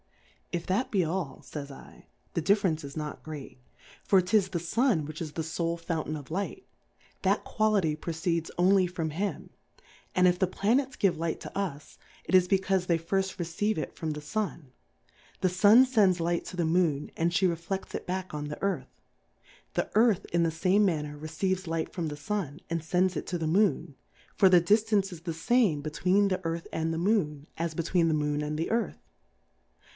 If that be all, fijs /, the Difference is not ^reat, for 'tis the Sun which is the fole Foua taiii. Plurality (?/ WORLDS. 41 tain of Light \ that Quality proceeds only from him ; and if the Planets give Light to us, it is becaufe they firlt receive it from the Sun ; the Sun fends Light to the Moon, and flie reflects it back on the Earth ; the Earth in the fame manner receives Light from the Sun, and fends it to the Moon ; for the Diftance is the fame between the Earth and the Moon, as between the Moon and the Earth.